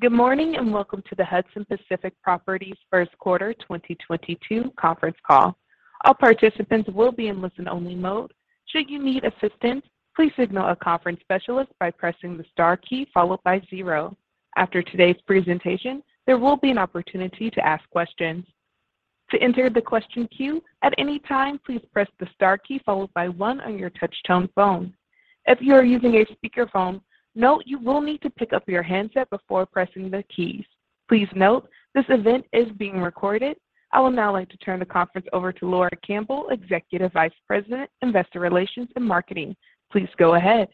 Good morning, and welcome to the Hudson Pacific Properties' first quarter 2022 conference call. All participants will be in listen-only mode. Should you need assistance, please signal a conference specialist by pressing the star key followed by zero. After today's presentation, there will be an opportunity to ask questions. To enter the question queue at any time, please press the star key followed by one on your touchtone phone. If you are using a speakerphone, note you will need to pick up your handset before pressing the keys. Please note, this event is being recorded. I would now like to turn the conference over to Laura Campbell, Executive Vice President, Investor Relations and Marketing. Please go ahead.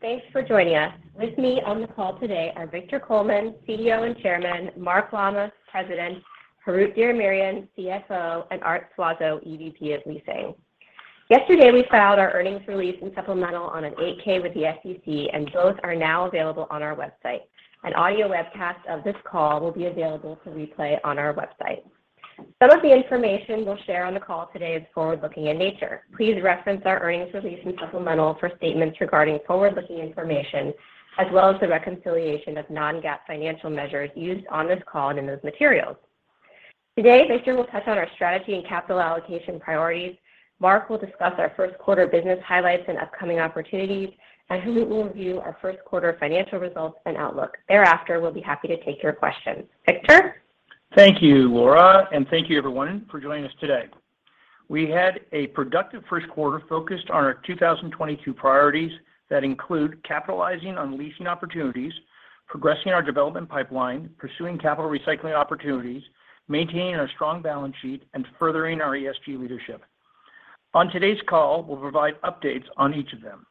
Thanks for joining us. With me on the call today are Victor Coleman, CEO and Chairman, Mark Lammas, President, Harout Diramerian, CFO, and Art Suazo, EVP of Leasing. Yesterday, we filed our earnings release and supplemental on an 8-K with the SEC, and both are now available on our website. An audio webcast of this call will be available for replay on our website. Some of the information we'll share on the call today is forward-looking in nature. Please reference our earnings release and supplemental for statements regarding forward-looking information, as well as the reconciliation of non-GAAP financial measures used on this call and in those materials. Today, Victor will touch on our strategy and capital allocation priorities. Mark will discuss our first quarter business highlights and upcoming opportunities, and Harout will review our first quarter financial results and outlook. Thereafter, we'll be happy to take your questions. Victor. Thank you, Laura, and thank you, everyone, for joining us today. We had a productive first quarter focused on our 2022 priorities that include capitalizing on leasing opportunities, progressing our development pipeline, pursuing capital recycling opportunities, maintaining our strong balance sheet, and furthering our ESG leadership. On today's call, we'll provide updates on each of them.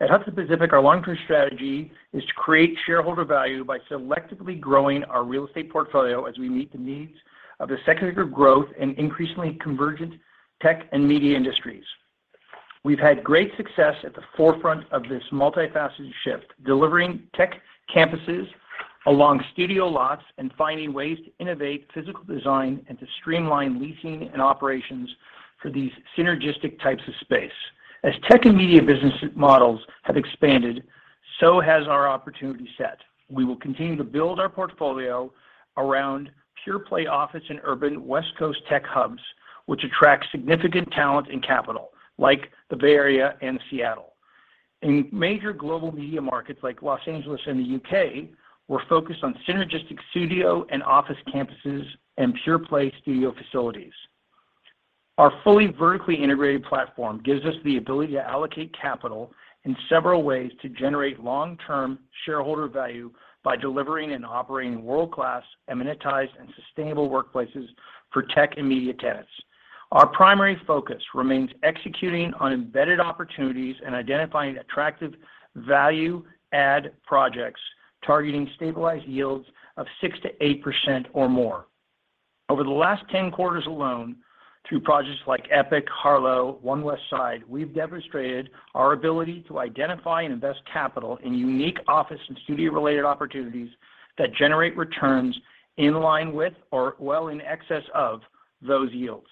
At Hudson Pacific, our long-term strategy is to create shareholder value by selectively growing our real estate portfolio as we meet the needs of the secondary growth in increasingly convergent tech and media industries. We've had great success at the forefront of this multifaceted shift, delivering tech campuses along studio lots and finding ways to innovate physical design and to streamline leasing and operations for these synergistic types of space. As tech and media business models have expanded, so has our opportunity set. We will continue to build our portfolio around pure-play office in urban West Coast tech hubs, which attract significant talent and capital, like the Bay Area and Seattle. In major global media markets like Los Angeles and the U.K., we're focused on synergistic studio and office campuses and pure-play studio facilities. Our fully vertically integrated platform gives us the ability to allocate capital in several ways to generate long-term shareholder value by delivering and operating world-class, amenitized, and sustainable workplaces for tech and media tenants. Our primary focus remains executing on embedded opportunities and identifying attractive value-add projects, targeting stabilized yields of 6%-8% or more. Over the last 10 quarters alone, through projects like Epic, Harlow, One Westside, we've demonstrated our ability to identify and invest capital in unique office and studio-related opportunities that generate returns in line with or well in excess of those yields.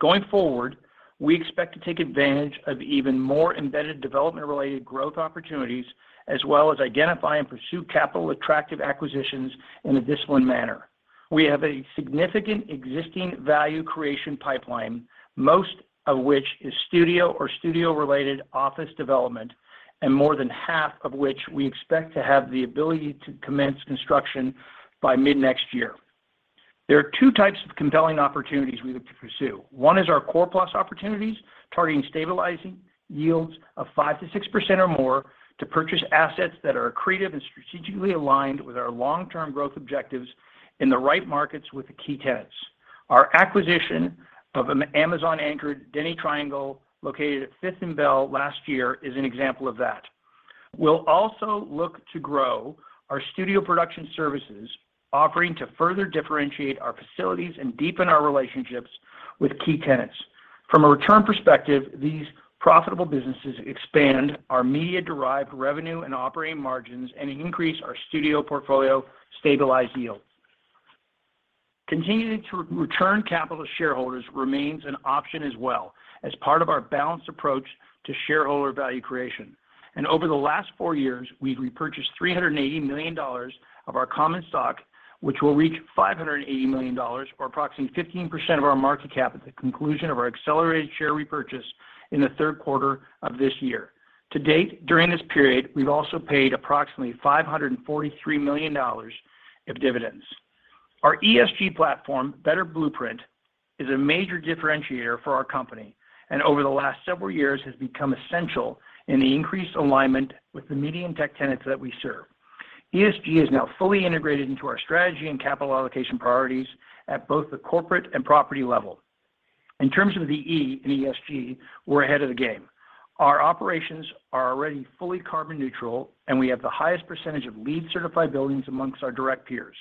Going forward, we expect to take advantage of even more embedded development-related growth opportunities as well as identify and pursue capital-attractive acquisitions in a disciplined manner. We have a significant existing value creation pipeline, most of which is studio or studio-related office development, and more than half of which we expect to have the ability to commence construction by mid-next year. There are two types of compelling opportunities we look to pursue. One is our core-plus opportunities, targeting stabilizing yields of 5%-6% or more to purchase assets that are accretive and strategically aligned with our long-term growth objectives in the right markets with the key tenants. Our acquisition of Amazon-anchored Denny Triangle located at fifth & Bell last year is an example of that. We'll also look to grow our studio production services offering to further differentiate our facilities and deepen our relationships with key tenants. From a return perspective, these profitable businesses expand our media-derived revenue and operating margins and increase our studio portfolio stabilized yields. Continuing to return capital to shareholders remains an option as well as part of our balanced approach to shareholder value creation. Over the last four years, we've repurchased $380 million of our common stock, which will reach $580 million or approximately 15% of our market cap at the conclusion of our accelerated share repurchase in the third quarter of this year. To date, during this period, we've also paid approximately $543 million of dividends. Our ESG platform, Better Blueprint, is a major differentiator for our company, and over the last several years has become essential in the increased alignment with the media and tech tenants that we serve. ESG is now fully integrated into our strategy and capital allocation priorities at both the corporate and property levels. In terms of the E in ESG, we're ahead of the game. Our operations are already fully carbon neutral, and we have the highest percentage of LEED-certified buildings among our direct peers.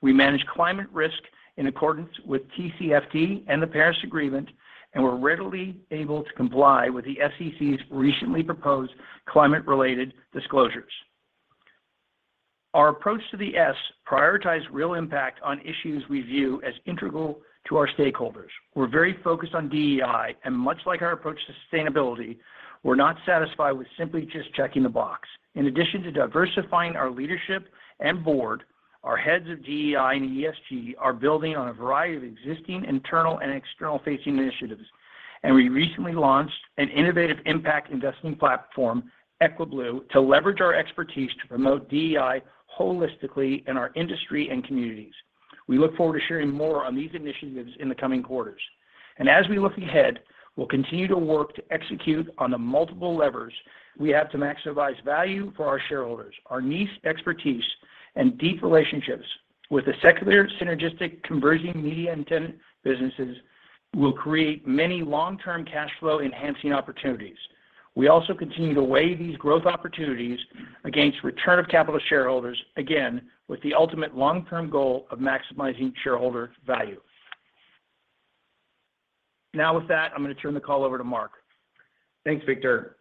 We manage climate risk in accordance with TCFD and the Paris Agreement, and we're readily able to comply with the SEC's recently proposed climate-related disclosures. Our approach to ESG prioritizes real impact on issues we view as integral to our stakeholders. We're very focused on DEI, and much like our approach to sustainability, we're not satisfied with simply just checking the box. In addition to diversifying our leadership and board. Our heads of DEI and ESG are building on a variety of existing internal and externally facing initiatives, and we recently launched an innovative impact investing platform, EquiBlue, to leverage our expertise to promote DEI holistically in our industry and communities. We look forward to sharing more on these initiatives in the coming quarters. As we look ahead, we'll continue to work to execute on the multiple levers we have to maximize value for our shareholders. Our niche expertise and deep relationships with the secular synergistic converging media and tenant businesses will create many long-term cash flow-enhancing opportunities. We also continue to weigh these growth opportunities against return of capital to shareholders, again, with the ultimate long-term goal of maximizing shareholder value. Now with that, I'm going to turn the call over to Mark. Thanks, Victor.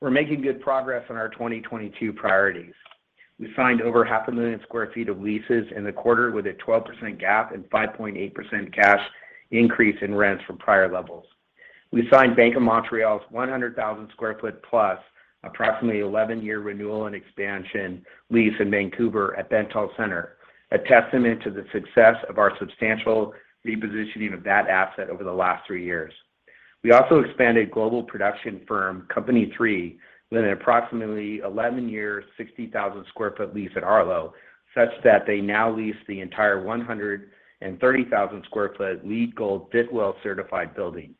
We're making good progress on our 2022 priorities. We signed over 500,000 sq ft of leases in the quarter with a 12% gap and 5.8% cash increase in rents from prior levels. We signed Bank of Montreal's 100,000 sq ft plus approximately 11-year renewal and expansion lease in Vancouver at Bentall Centre, a testament to the success of our substantial repositioning of that asset over the last three years. We also expanded global production firm Company three with an approximately 11-year, 60,000 sq ft lease at Harlow, such that they now lease the entire 130,000 sq ft LEED Gold Fitwel certified building.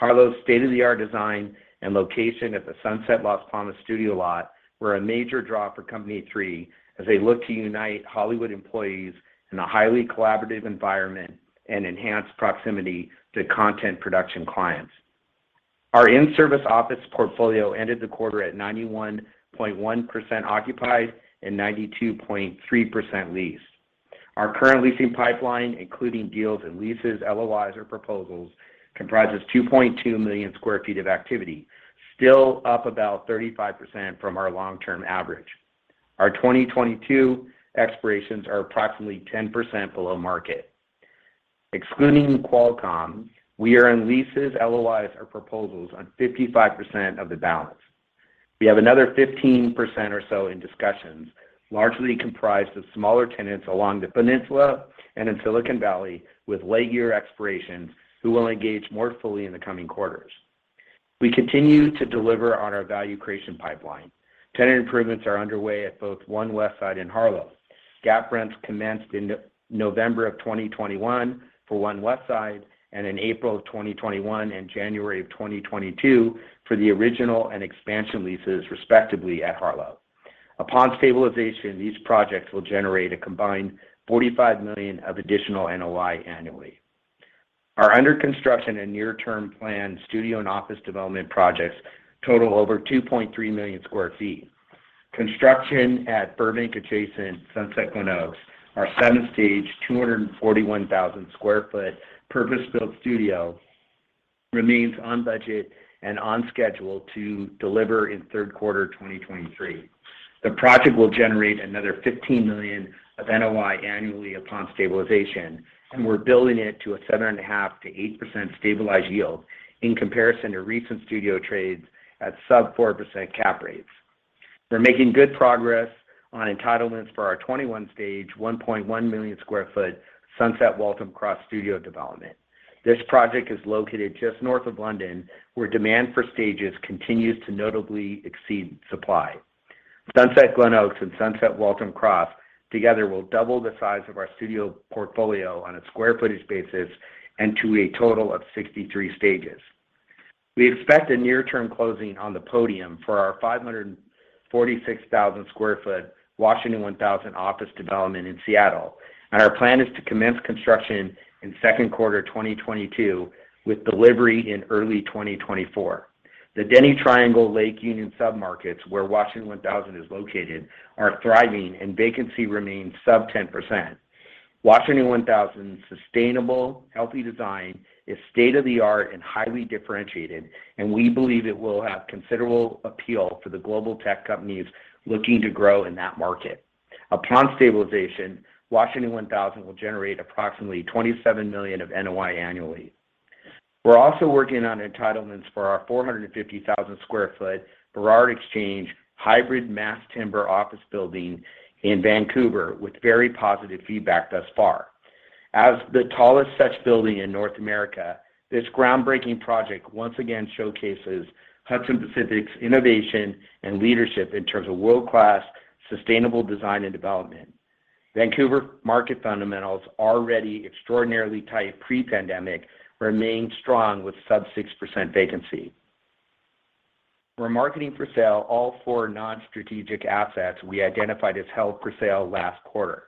Arlo's state-of-the-art design and location at the Sunset Las Palmas Studio lot were a major draw for Company three as they look to unite Hollywood employees in a highly collaborative environment and enhance proximity to content production clients. Our in-service office portfolio ended the quarter at 91.1% occupied and 92.3% leased. Our current leasing pipeline, including deals and leases, LOIs, or proposals, comprises 2.2 million sq ft of activity, still up about 35% from our long-term average. Our 2022 expirations are approximately 10% below market. Excluding Qualcomm, we are in leases, LOIs, or proposals on 55% of the balance. We have another 15% or so in discussions, largely comprised of smaller tenants along the peninsula and in Silicon Valley with late year expirations who will engage more fully in the coming quarters. We continue to deliver on our value creation pipeline. Tenant improvements are underway at both One Westside and Harlow. Gap rents commenced in November 2021 for One Westside and in April 2021 and January 2022 for the original and expansion leases, respectively at Harlow. Upon stabilization, these projects will generate a combined $45 million of additional NOI annually. Our under-construction and near-term planned studio and office development projects total over 2.3 million sq ft. Construction at Burbank-adjacent Sunset Glenoaks Studios, our seven-stage, 241,000 sq ft purpose-built studio, remains on budget and on schedule to deliver in third quarter 2023. The project will generate another $15 million of NOI annually upon stabilization, and we're building it to a 7.5%-8% stabilized yield in comparison to recent studio trades at sub-4% cap rates. We're making good progress on entitlements for our 21-stage, 1.1 million sq ft Sunset Waltham Cross Studios development. This project is located just north of London, where demand for stages continues to notably exceed supply. Sunset Glenoaks Studios and Sunset Waltham Cross Studios together will double the size of our studio portfolio on a square footage basis and to a total of 63 stages. We expect a near-term closing on the podium for our 546,000 sq ft Washington 1000 office development in Seattle, and our plan is to commence construction in Q2 2022 with delivery in early 2024. The Denny Triangle Lake Union submarkets where Washington 1000 is located are thriving, and vacancy remains sub 10%. Washington 1000's sustainable, healthy design is state-of-the-art and highly differentiated, and we believe it will have considerable appeal to the global tech companies looking to grow in that market. Upon stabilization, Washington 1000 will generate approximately $27 million of NOI annually. We're also working on entitlements for our 450,000 sq ft Burrard Exchange hybrid mass timber office building in Vancouver, with very positive feedback thus far. As the tallest such building in North America, this groundbreaking project once again showcases Hudson Pacific's innovation and leadership in terms of world-class sustainable design and development. Vancouver market fundamentals, already extraordinarily tight pre-pandemic, remain strong with sub 6% vacancy. We're marketing for sale all four non-strategic assets we identified as held for sale last quarter.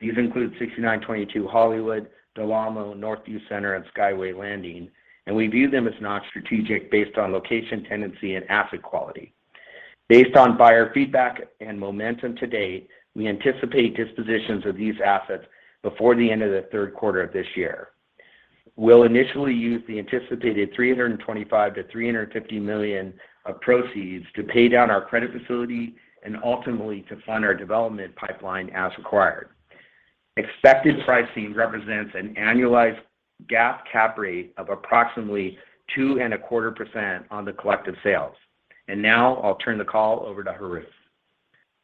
These include 6922 Hollywood, Del Amo, Northview Center, and Skyway Landing, and we view them as non-strategic based on location, tenancy, and asset quality. Based on buyer feedback and momentum to date, we anticipate dispositions of these assets before the end of the third quarter of this year. We'll initially use the anticipated $325 million-$350 million of proceeds to pay down our credit facility and ultimately to fund our development pipeline as required. Expected pricing represents an annualized GAAP cap rate of approximately 2.25% on the collective sales. Now I'll turn the call over to Harout.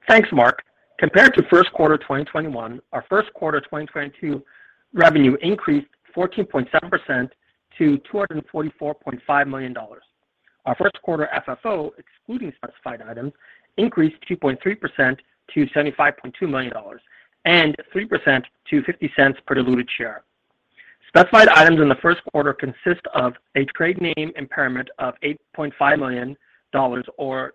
Thanks, Mark. Compared to first quarter of 2021, our first quarter 2022 revenue increased 14.7% to $244.5 million. Our first quarter FFO, excluding specified items, increased 2.3% to $75.2 million and 3% to $0.50 per diluted share. Specified items in the first quarter consist of a trade name impairment of $8.5 million or $0.06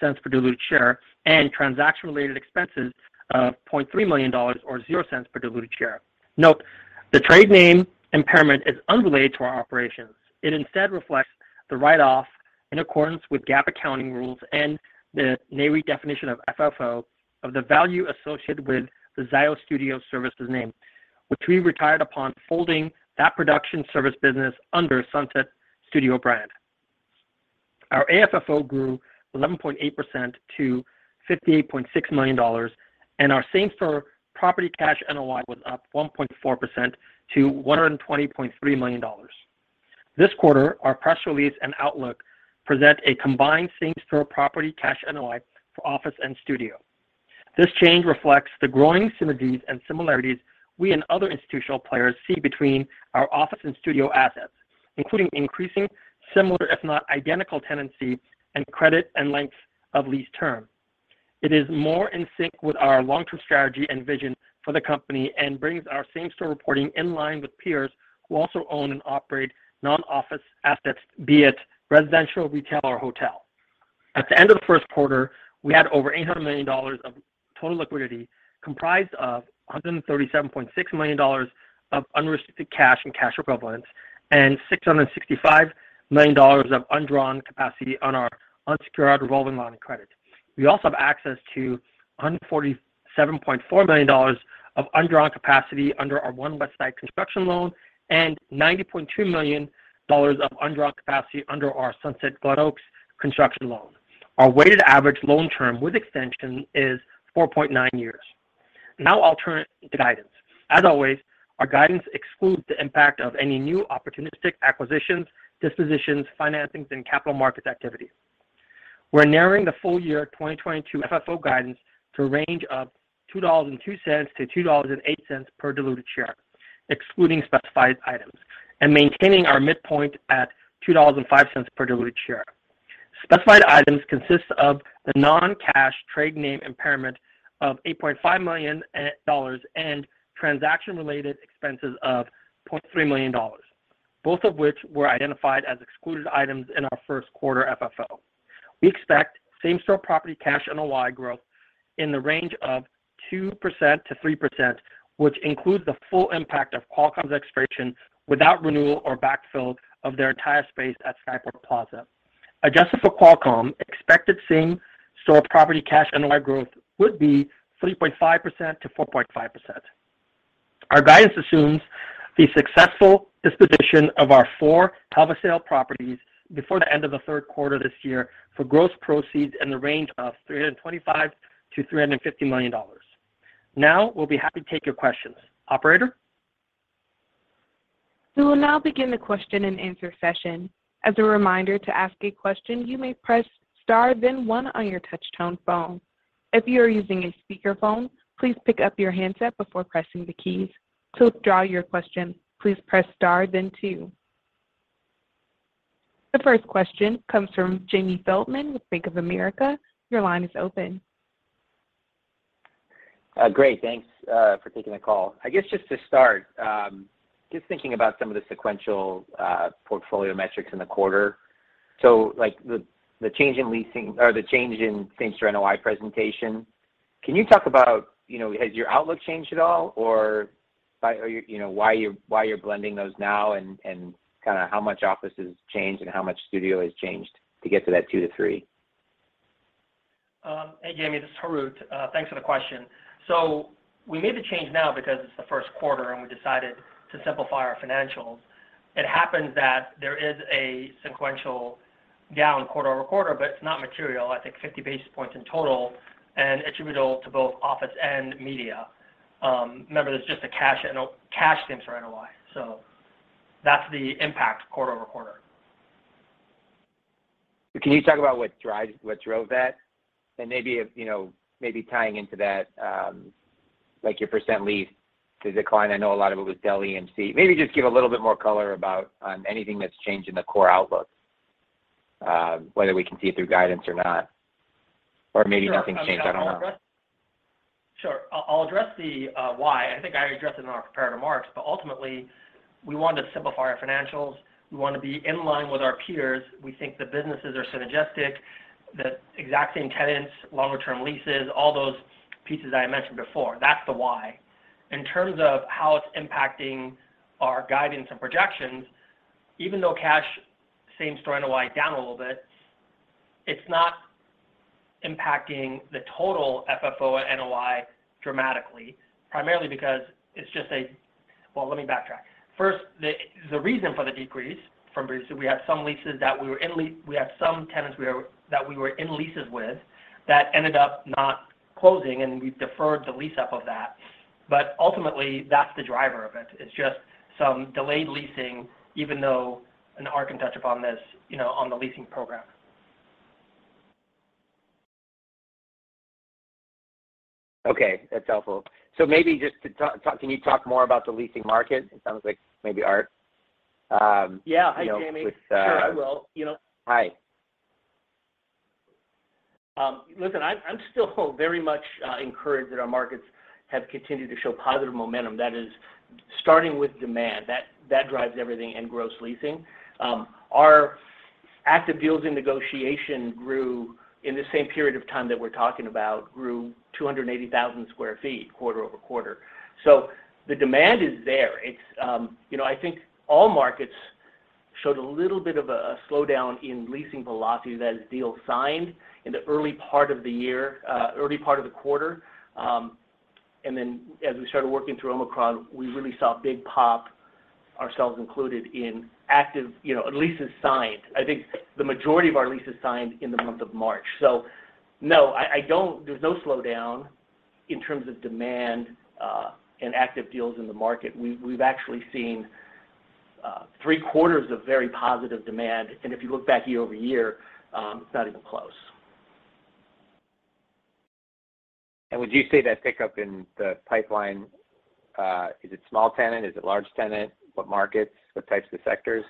per diluted share, and transaction-related expenses of $0.3 million or $0.00 per diluted share. Note, the trade name impairment is unrelated to our operations. It instead reflects the write-off in accordance with GAAP accounting rules and the NAREIT definition of FFO of the value associated with the Zio Studio Services name, which we retired upon folding that production service business under Sunset Studios brand. Our AFFO grew 11.8% to $58.6 million, and our same-store property cash NOI was up 1.4% to $120.3 million. This quarter, our press release and outlook present a combined same-store property cash NOI for office and studio. This change reflects the growing synergies and similarities we and other institutional players see between our office and studio assets, including increasingly similar, if not identical tenancy and credit, and length of lease term. It is more in sync with our long-term strategy and vision for the company and brings our same-store reporting in line with peers who also own and operate non-office assets, be it residential, retail, or hotel. At the end of the first quarter, we had over $800 million of total liquidity, comprised of $137.6 million of unrestricted cash and cash equivalents and $665 million of undrawn capacity on our unsecured revolving line of credit. We also have access to $147.4 million of undrawn capacity under our One Westside construction loan and $90.2 million of undrawn capacity under our Sunset Glenoaks Studios construction loan. Our weighted average loan term with extension is four point nine years. Now I'll turn to guidance. As always, our guidance excludes the impact of any new opportunistic acquisitions, dispositions, financings, and capital markets activity. We're narrowing the full-year 2022 FFO guidance to a range of $2.02-$2.08 per diluted share, excluding specified items, and maintaining our midpoint at $2.05 per diluted share. Specified items consist of the non-cash trade name impairment of $8.5 million and transaction-related expenses of $0.3 million, both of which were identified as excluded items in our first quarter FFO. We expect same-store property cash NOI growth in the range of 2%-3%, which includes the full impact of Qualcomm's expiration without renewal or backfill of their entire space at Skyport Plaza. Adjusted for Qualcomm, expected same-store property cash NOI growth would be 3.5%-4.5%. Our guidance assumes the successful disposition of our four held-for-sale properties before the end of the third quarter this year for gross proceeds in the range of $325 million-$350 million. Now, we'll be happy to take your questions. Operator? We will now begin the question and answer session. As a reminder, to ask a question, you may press star then one on your touch-tone phone. If you are using a speakerphone, please pick up your handset before pressing the keys. To withdraw your question, please press star then two. The first question comes from Jamie Feldman with Bank of America. Your line is open. Great. Thanks for taking the call. I guess just to start, just thinking about some of the sequential portfolio metrics in the quarter. Like, the change in leasing or the change in same-store NOI presentation, can you talk about, you know, has your outlook changed at all, you know, why you're blending those now, and kinda how much office has changed and how much studio has changed to get to that two to three? Hey, Jamie, this is Harout. Thanks for the question. We made the change now because it's the first quarter, and we decided to simplify our financials. It happens that there is a sequential down quarter-over-quarter, but it's not material. I think 50 basis points in total and attributable to both office and media. Remember, that's just the cash same-store NOI. That's the impact quarter-over-quarter. Can you talk about what drove that? Maybe if, you know, maybe tying into that, like your percent lease decline, I know a lot of it was Dell EMC. Maybe just give a little bit more color about anything that's changed in the core outlook, whether we can see it through guidance or not, or maybe nothing's changed. I don't know. Sure. I'll address the why. I think I addressed it in our prepared remarks, but ultimately, we wanted to simplify our financials. We wanna be in line with our peers. We think the businesses are synergistic, the exact same tenants, longer-term leases, all those pieces I mentioned before. That's the why. In terms of how it's impacting our guidance and projections, even though cash same-store NOI is down a little bit, it's not impacting the total FFO and NOI dramatically, primarily because it's just a Well, let me backtrack. First, the reason for the decrease from previous year, we had some tenants that we were in leases with that ended up not closing, and we deferred the lease-up of that. Ultimately, that's the driver of it. It's just some delayed leasing, even though, and Art can touch upon this, you know, on the leasing program. Okay. That's helpful. Maybe just to talk. Can you talk more about the leasing market? It sounds like maybe Art. Yeah. Hi, Jamie.... you know, with, uh- Sure, I will. You know- Hi. Listen, I'm still very much encouraged that our markets have continued to show positive momentum. That is starting with demand that drives everything, and gross leasing. Our active deals in negotiation grew in the same period of time that we're talking about, 280,000 sq ft quarter-over-quarter. So the demand is there. It's, you know, I think all markets showed a little bit of a slowdown in leasing velocity. That is deals signed in the early part of the year, early part of the quarter. And then, as we started working through Omicron, we really saw a big pop, ourselves included, in active leases signed. You know, I think the majority of our leases signed in the month of March. There's no slowdown in terms of demand and active deals in the market. We've actually seen three-quarters of very positive demand. If you look back year over year, it's not even close. Would you say that pickup in the pipeline is it small tenant? Is it large tenant? What markets? What types of sectors?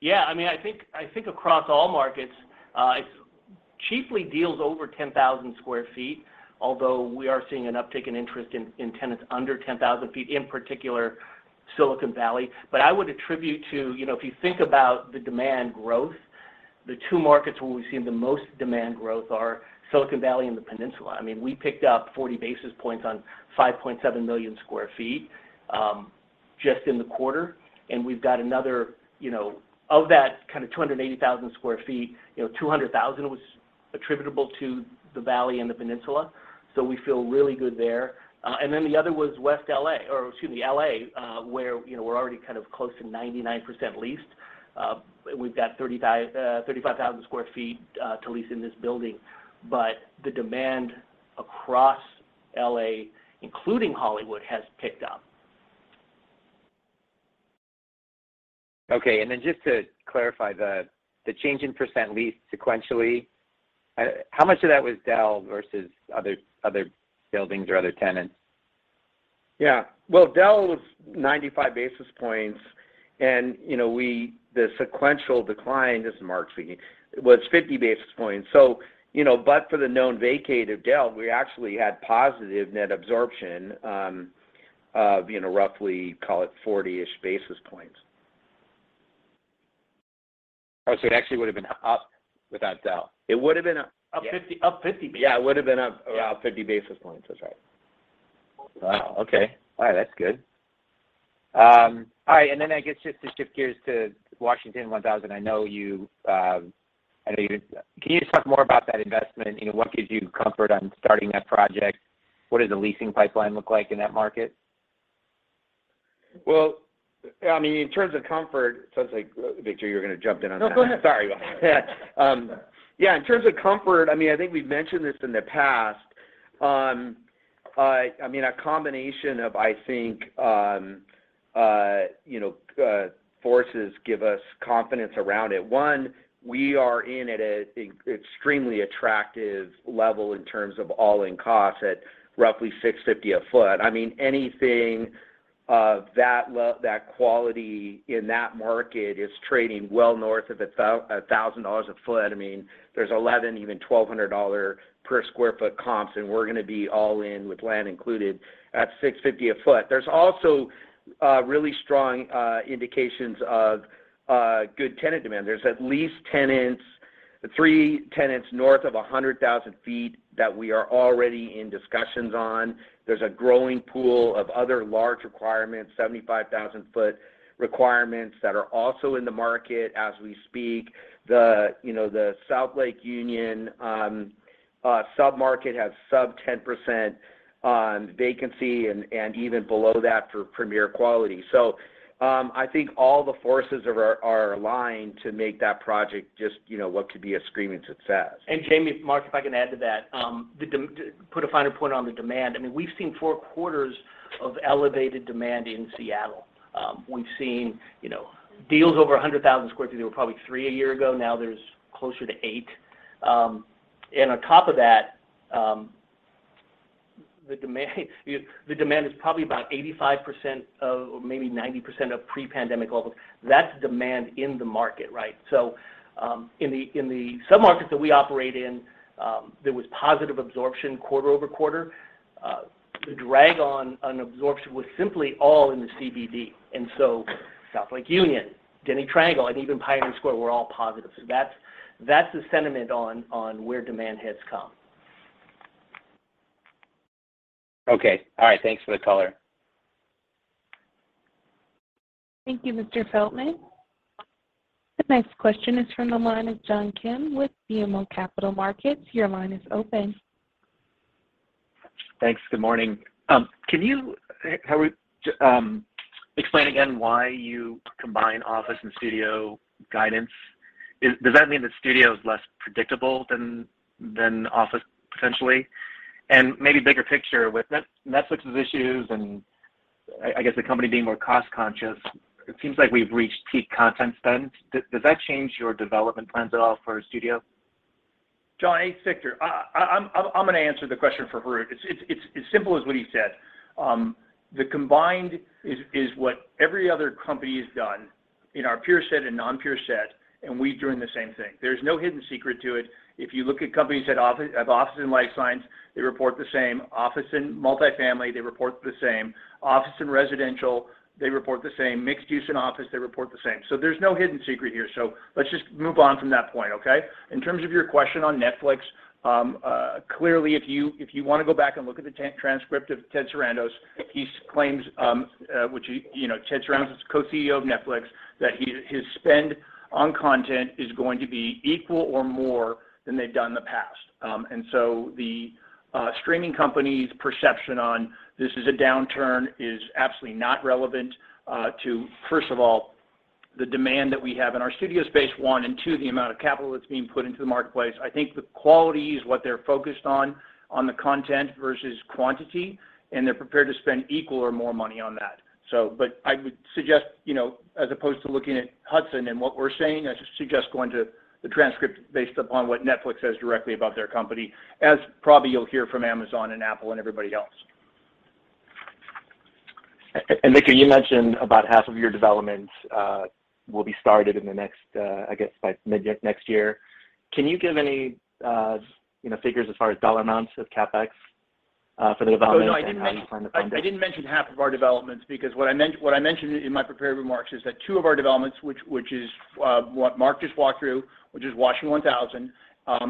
Yeah. I mean, I think across all markets, it's chiefly deals over 10,000 sq ft, although we are seeing an uptick in interest in tenants under 10,000 sq ft, in particular, Silicon Valley. I would attribute it to, you know, if you think about the demand growth, the two markets where we've seen the most demand growth are Silicon Valley and the Peninsula. I mean, we picked up 40 basis points on 5.7 million sq ft just in the quarter. We've got another of that kind of 280,000 sq ft, you know, 200,000 was attributable to the Valley and the Peninsula. We feel really good there. Then the other was West LA, or excuse me, LA, where, you know, we're already kind of close to 99% leased. We've got 35,000 sq ft to lease in this building. The demand across L.A., including Hollywood, has picked up. Okay. Just to clarify, the change in percent leased sequentially, how much of that was Dell versus other buildings or other tenants? Well, Dell was 95 basis points. You know, the sequential decline, this is Mark speaking, was 50 basis points. You know, but for the known vacate of Dell, we actually had positive net absorption of, you know, roughly, call it 40-ish basis points. Oh, it actually would've been up without Dell. It would've been up. Yeah. Up 50 basis points. Yeah, it would've been up. Yeah... around 50 basis points. That's right. Wow. Okay. All right. That's good. All right, I guess, Just to shift gears to Washington 1000. Can you just talk more about that investment? You know, what gives you comfort on starting that project? What does the leasing pipeline look like in that market? Well, I mean, in terms of comfort. It sounds like, Victor, you were gonna jump in on that. No, go ahead. Sorry about that. Yeah, in terms of comfort, I mean, I think we've mentioned this in the past. I mean, a combination of, I think, you know, factors gives us confidence around it. One, we are in at a extremely attractive level in terms of all-in costs at roughly $650 per sq ft. I mean, anything of that quality in that market is trading well north of $1,000 per sq ft. I mean, there's $1,100, even $1,200 per sq ft comps, and we're gonna be all in with land included at $650 per sq ft. There's also really strong indications of good tenant demand. There's at least three tenants north of 100,000 sq ft that we are already in discussions on. There's a growing pool of other large requirements, 75,000 sq ft requirements that are also in the market as we speak. You know, the South Lake Union sub-market has sub-10% vacancy and even below that for premier quality. I think all the forces are aligned to make that project just, you know, what could be a screaming success. Jamie, Mark, if I can add to that. To put a finer point on the demand, I mean, we've seen four quarters of elevated demand in Seattle. We've seen, you know, deals over 100,000 sq ft. There were probably three a year ago, now there's closer to eight. On top of that, the demand is probably about 85% or maybe 90% of pre-pandemic levels. That's demand in the market, right? In the sub-markets that we operate in, there was positive absorption quarter-over-quarter. The drag on absorption was simply all in the CBD. South Lake Union, Denny Triangle, and even Pioneer Square were all positive. That's the sentiment on where demand has come. Okay. All right. Thanks for the color. Thank you, Mr. Feldman. The next question is from the line of John Kim with BMO Capital Markets. Your line is open. Thanks. Good morning. Can you, Harout, explain again why you combine office and studio guidance? Does that mean the studio is less predictable than office potentially? Maybe bigger picture with Netflix's issues, and I guess the company being more cost-conscious, it seems like we've reached peak content spend. Does that change your development plans at all for studio? John, hey, it's Victor. I'm gonna answer the question for Harout. It's as simple as what he said. The combined is what every other company has done in our peer set and non-peer set, and we're doing the same thing. There's no hidden secret to it. If you look at companies that have office and life science, they report the same. Office and multifamily, they report the same. Office and residential, they report the same. Mixed use and office, they report the same. There's no hidden secret here. Let's just move on from that point, okay? In terms of your question on Netflix, clearly, if you wanna go back and look at the transcript of Ted Sarandos, he claims, which you know, Ted Sarandos is co-CEO of Netflix, that his spending on content is going to be equal, or more than they've done in the past. The streaming company's perception on this is a downturn is absolutely not relevant to, first of all, the demand that we have in our studio space, one, and two, the amount of capital that's being put into the marketplace. I think the quality is what they're focused on, the content versus quantity, and they're prepared to spend equal or more money on that. I would suggest, you know, as opposed to looking at Hudson and what we're saying, I suggest going to the transcript based upon what Netflix says directly about their company, as probably you'll hear from Amazon, and Apple, and everybody else. Victor, you mentioned about half of your developments will be started in the next, I guess by mid-next year. Can you give any figures as far as dollar amounts of CapEx for the developments? Oh, no, I didn't mean. How you plan to fund it? I didn't mention half of our developments because what I mentioned in my prepared remarks is that two of our developments, which is what Mark just walked through, which is Washington 1,000,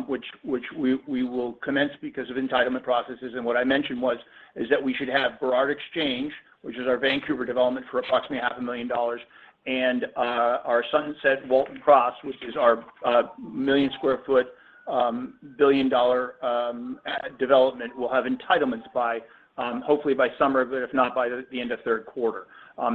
which we will commence because of entitlement processes. What I mentioned is that we should have Burrard Exchange, which is our Vancouver development, for approximately $500,000. Our Sunset Waltham Cross, which is our 1 million sq ft, $1 billion development, will have entitlements by hopefully by summer, but if not, by the end of third quarter.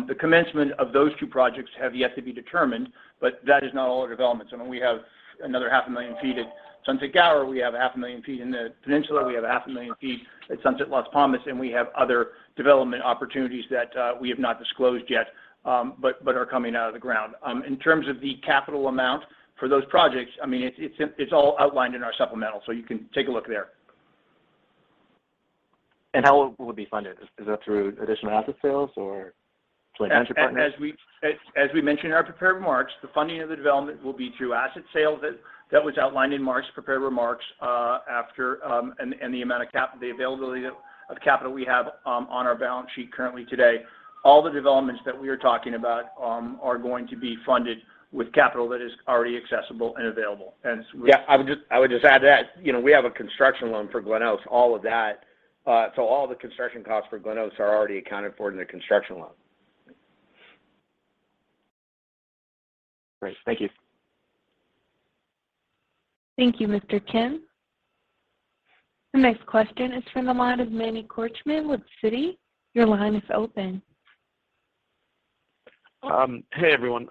The commencement of those two projects have yet to be determined, but that is not all our developments. I mean, we have another 500,000 sq ft at Sunset Gower. We have 500,000 sq ft in the Peninsula. We have 500,000 sq ft at Sunset Las Palmas, and we have other development opportunities that we have not disclosed yet, but are coming out of the ground. In terms of the capital amount for those projects, I mean, it's all outlined in our supplemental, so you can take a look there. How will it be funded? Is that through additional asset sales or joint venture partners? As we mentioned in our prepared remarks, the funding of the development will be through asset sales, that was outlined in Mark's prepared remarks, and the availability of capital we have on our balance sheet currently today. All the developments that we are talking about are going to be funded with capital that is already accessible and available. Yeah, I would just add that, you know, we have a construction loan for Glenoaks, all of that. So all the construction costs for Glenoaks are already accounted for in the construction loan. Great. Thank you. Thank you, Mr. Kim. The next question is from the line of Manny Korchman with Citi. Your line is open. Hey, everyone.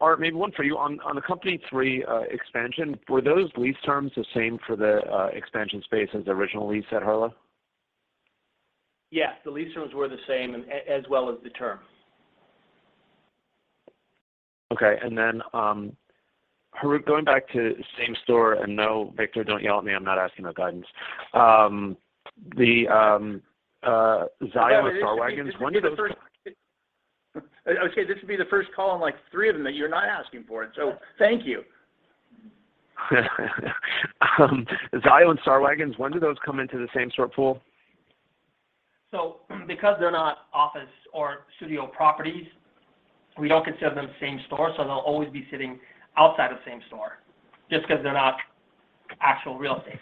Art, maybe one for you. On the Company three expansion, were those lease terms the same for the expansion space as the original lease at Harlow? Yes. The lease terms were the same as well as the terms. Okay. Then, Harout, going back to same-store, no, Victor, don't yell at me, I'm not asking about guidance. The Quixote and Star Waggons, when do those- Okay. This would be the first call in, like, three of them that you're not asking for it, so thank you. Quixote and Star Waggons, when do those come into the same store pool? Because they're not office or studio properties, we don't consider them same-store, so they'll always be sitting outside of same-store just 'cause they're not actual real estate.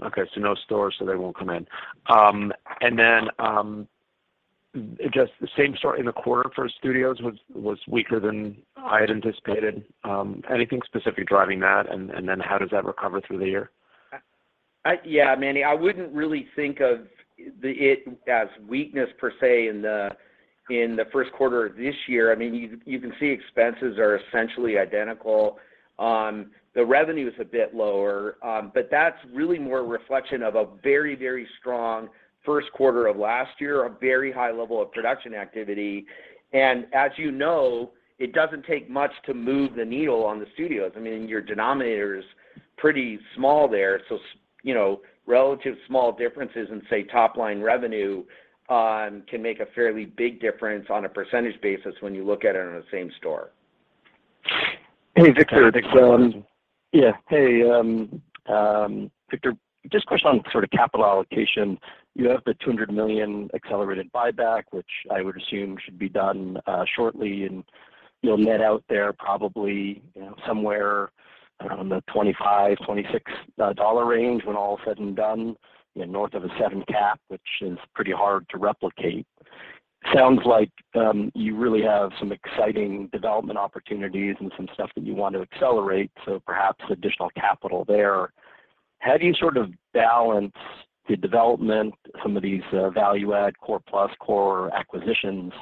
Okay. No stores, so they won't come in. Just the same-store in the quarter for studios was weaker than I had anticipated. Anything specific driving that? How does that recover through the year? Yeah, Manny, I wouldn't really think of it as a weakness per se in the first quarter of this year. I mean, you can see expenses are essentially identical. The revenue is a bit lower, but that's really more a reflection of a very, very strong first quarter of last year, a very high level of production activity. As you know, it doesn't take much to move the needle on the studios. I mean, your denominator is pretty small there. You know, relatively small differences in, say, top-line revenue, can make a fairly big difference on a percentage basis when you look at it on the same-store. Hey, Victor. Hey, Victor. Victor, just a question on sort of capital allocation. You have the $200 million accelerated buyback, which I would assume should be done shortly in You'll net out there probably, you know, somewhere around the $25-$26 range when all is said and done. You know, north of a 7% cap, which is pretty hard to replicate. Sounds like you really have some exciting development opportunities and some stuff that you want to accelerate, so perhaps additional capital there. How do you sort of balance the development, some of these value add, core-plus, core acquisitions,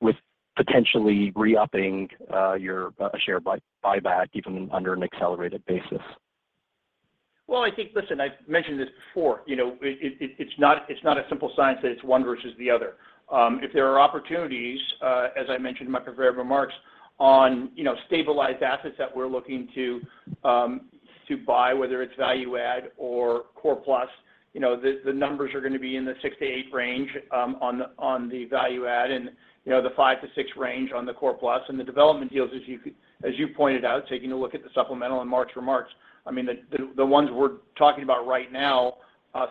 with potentially re-upping your share buyback, even under an accelerated basis? Well, I think. Listen, I've mentioned this before, you know, it's not a simple science, that it's one versus the other. If there are opportunities, as I mentioned in my prepared remarks, on you know stabilized assets that we're looking to buy, whether it's value add or core-plus, you know, the numbers are gonna be in the 6%-8% range on the value add and, you know, the 5%-6% range on the core-plus. The development deals, as you pointed out, taking a look at the supplemental and March remarks, I mean, the ones we're talking about right now,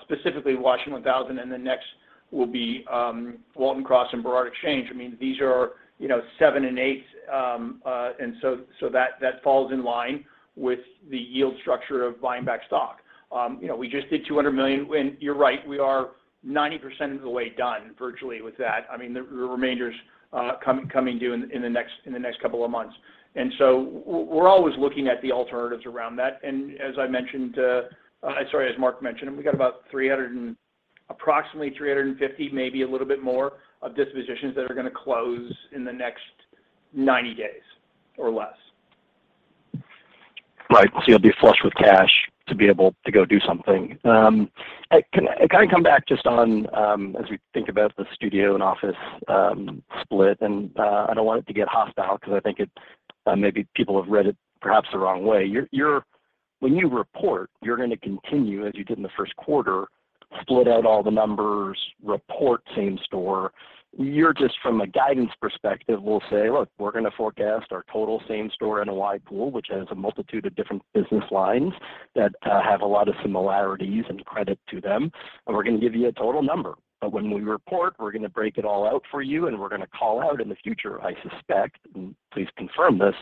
specifically Washington 1000 and the next will be Waltham Cross and Burrard Exchange. I mean, these are, you know, seven and eight, so that falls in line with the yield structure of buying back stock. You know, we just did $200 million. You're right, we are 90% of the way done virtually with that. I mean, the remainder's coming due in the next couple of months. We're always looking at the alternatives around that. As Mark mentioned, we've got about $300 million and approximately $350 million, maybe a little bit more, of dispositions that are gonna close in the next 90 days or less. Right. You'll be flush with cash to be able to go do something. Can I come back just on, as we think about the studio and office split, and I don't want it to get hostile because I think it, maybe people have read it perhaps the wrong way. You're When you report, you're gonna continue, as you did in the first quarter, split out all the numbers, report same store. You're just, from a guidance perspective, will say, "Look, we're gonna forecast our total same store NOI pool," which has a multitude of different business lines that have a lot of similarities and credit to them, "and we're gonna give you a total number. When we report, we're gonna break it all out for you, and we're gonna call out in the future," I suspect, and please confirm this,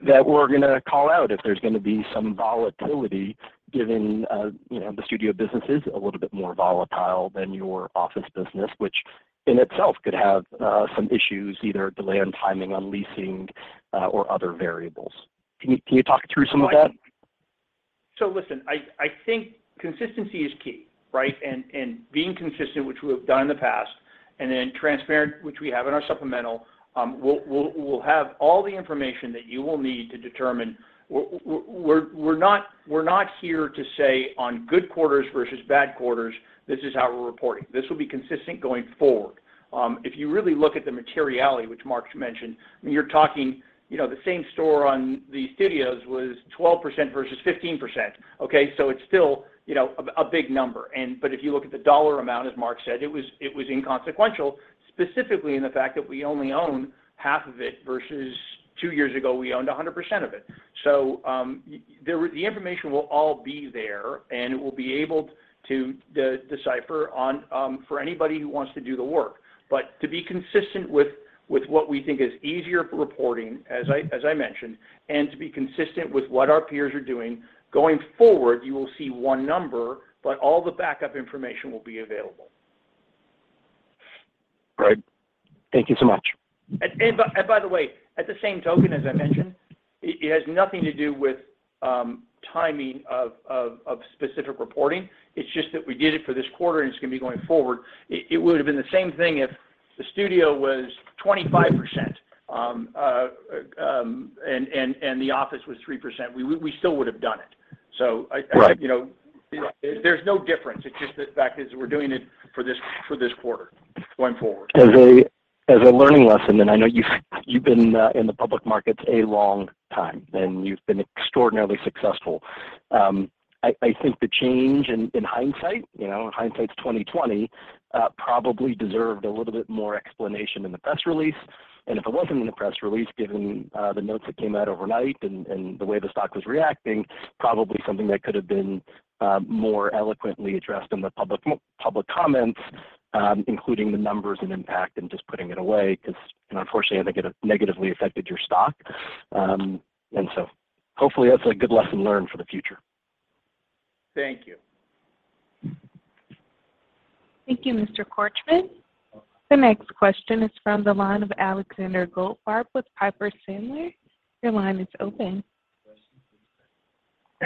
that we're gonna call out if there's gonna be some volatility given, you know, the studio business is a little bit more volatile than your office business, which in itself could have, some issues, either delay on timing on leasing, or other variables. Can you talk through some of that? Listen, I think consistency is key, right? Being consistent, which we have done in the past, and then transparent, which we have in our supplemental, we'll have all the information that you will need to determine. We're not here to say on good quarters versus bad quarters. This is how we're reporting. This will be consistent going forward. If you really look at the materiality, which Mark just mentioned, I mean, you're talking, you know, the same store on the studios was 12% versus 15%. Okay? It's still, you know, a big number, but if you look at the dollar amount, as Mark said, it was inconsequential, specifically in the fact that we only own half of it versus two years ago, we owned 100% of it. The information will all be there, and it will be able to be deciphered by anybody who wants to do the work. To be consistent with what we think is easier for reporting, as I mentioned, and to be consistent with what our peers are doing, going forward, you will see one number, but all the backup information will be available. Great. Thank you so much. By the way, at the same time, as I mentioned, it has nothing to do with the timing of specific reporting. It's just that we did it for this quarter, and it's gonna be going forward. It would've been the same thing if the studio was 25%, and the office was 3%. We still would've done it. I Right You know, there's no difference. It's just the fact is we're doing it for this quarter going forward. As a learning lesson, I know you've been in the public markets a long time, and you've been extraordinarily successful. I think the change in hindsight, you know, hindsight's 20/20, probably deserved a little bit more explanation in the press release. If it wasn't in the press release, given the notes that came out overnight and the way the stock was reacting, probably something that could have been more eloquently addressed in the public comments, including the numbers and impact, and just putting it away because, you know, unfortunately, I think it negatively affected your stock. Hopefully, that's a good lesson learned for the future. Thank you. Thank you, Mr. Korchman. The next question is from the line of Alexander Goldfarb with Piper Sandler. Your line is open.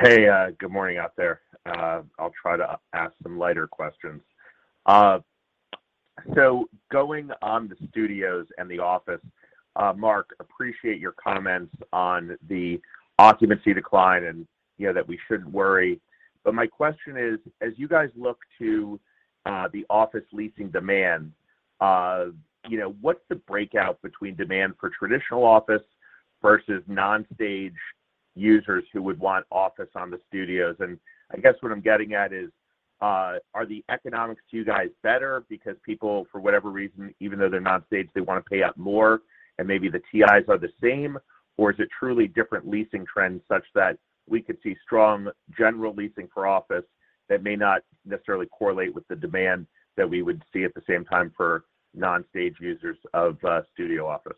Hey. Good morning out there. I'll try to ask some lighter questions. Going on the studios and the office, Mark, appreciate your comments on the occupancy decline and, you know, that we shouldn't worry. My question is, as you guys look to the office leasing demand, you know, what's the breakdown between demand for traditional office versus non-studio users who would want office on the studios? I guess what I'm getting at is, are the economics to you guys better because people, for whatever reason, even though they're not stage, they wanna pay up more, and maybe the TIs are the same, or is it truly different leasing trends such that we could see strong general leasing for office that may not necessarily correlate with the demand that we would see at the same time for non-stage users of studio office?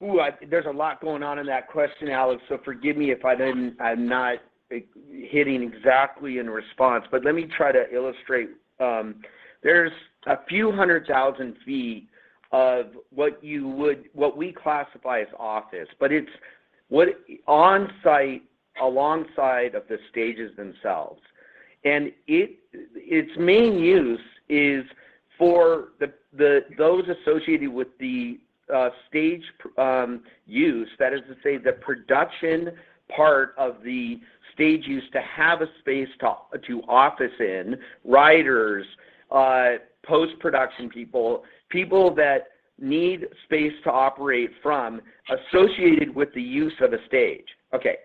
Ooh, there's a lot going on in that question, Alex, so forgive me if I'm not hitting exactly in response. Let me try to illustrate. There's a few 100,000 sq ft of what we classify as office, but it's on-site alongside of the stages themselves. Its main use is for those associated with the stage use, that is to say, the production part of the stage use to have a space to office in. Writers, post-production people that need space to operate from associated with the use of a stage. Okay.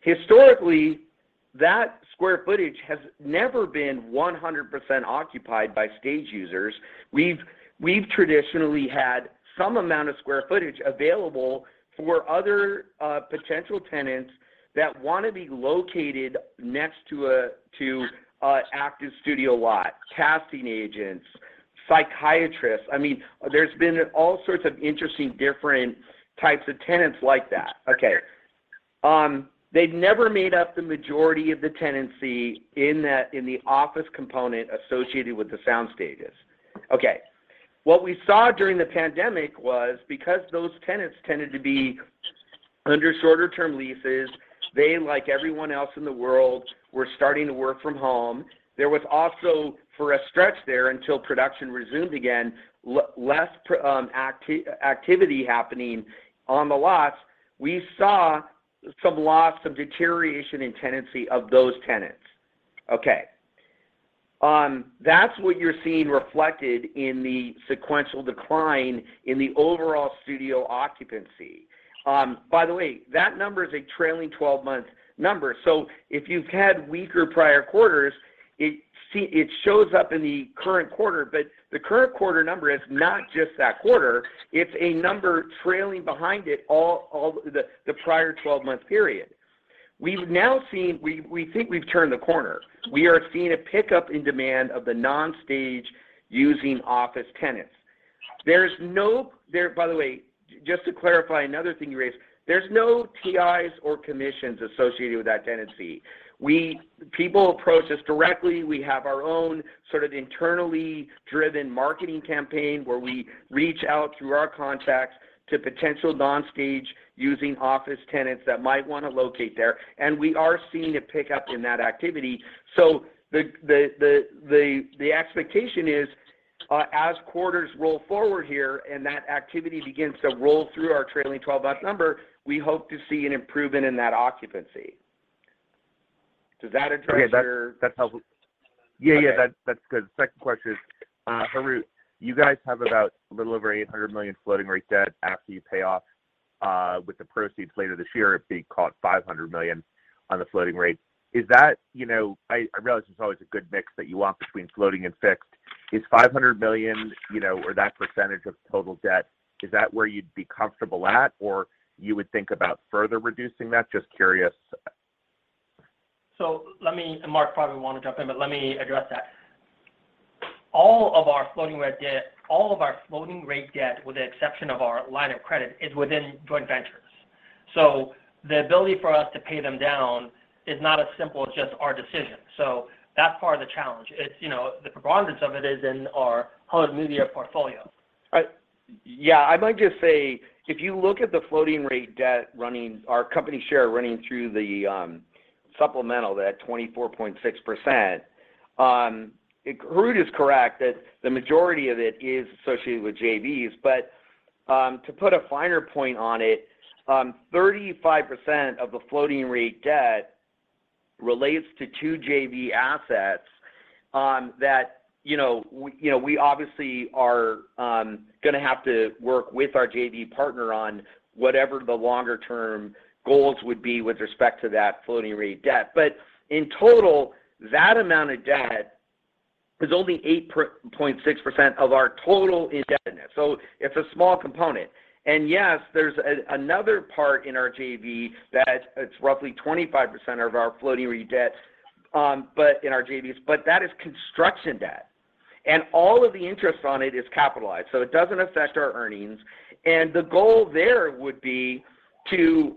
Historically, that square footage has never been 100% occupied by stage users. We've traditionally had some amount of square footage available for other potential tenants that wanna be located next to an active studio lot. Casting agents, psychiatrists. I mean, there's been all sorts of interesting, different types of tenants like that. Okay. They've never made up the majority of the tenancy in the office component associated with the sound stages. Okay. What we saw during the pandemic was because those tenants tended to be under shorter-term leases, they, like everyone else in the world, were starting to work from home. There was also, for a stretch there, until production resumed again, less activity happening on the lots. We saw some loss, some deterioration in tenancy of those tenants. Okay. That's what you're seeing reflected in the sequential decline in the overall studio occupancy. By the way, that number is a trailing 12-month number. If you've had weaker prior quarters, it shows up in the current quarter, but the current quarter number is not just that quarter, it's a number trailing behind it all the prior 12-month period. We think we've turned the corner. We are seeing a pickup in demand of the non-stage-using office tenants. There's no. By the way, just to clarify another thing you raised, there's no TIs or commissions associated with that tenancy. People approach us directly. We have our own sort of internally driven marketing campaign where we reach out through our contacts to potential non-stage-using office tenants that might wanna locate there, and we are seeing a pickup in that activity. The expectation is, as quarters roll forward here and that activity begins to roll through our trailing 12-month number, we hope to see an improvement in that occupancy. Does that address your- Okay. That, that's helpful. Okay. Yeah, yeah. That's good. Second question is, Harout, you guys have about a little over $800 million floating rate debt after you pay off with the proceeds later this year, the $500 million on the floating rate. Is that, you know, I realize there's always a good mix that you want between floating and fixed. Is $500 million, you know, or that percentage of total debt, is that where you'd be comfortable at, or you would think about further reducing that? Just curious. Let me, and Mark probably wanna jump in, but let me address that. All of our floating rate debt, with the exception of our line of credit, is within joint ventures. That's part of the challenge. It's, you know, the preponderance of it is in our Hollywood Media portfolio. Right. Yeah. I might just say, if you look at the floating rate debt, our company share running through the supplemental, that 24.6%, Harout is correct that the majority of it is associated with JVs. To put a finer point on it, 35% of the floating rate debt relates to two JV assets that you know we obviously are gonna have to work with our JV partner on whatever the longer-term goals would be with respect to that floating rate debt. In total, that amount of debt is only 8.6% of our total indebtedness, so it's a small component. Yes, there's another part in our JV that it's roughly 25% of our floating rate debt, but in our JVs, that is construction debt, and all of the interest on it is capitalized, so it doesn't affect our earnings. The goal there would be to